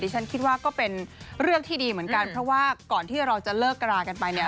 ฉันคิดว่าก็เป็นเรื่องที่ดีเหมือนกันเพราะว่าก่อนที่เราจะเลิกรากันไปเนี่ย